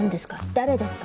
誰ですか？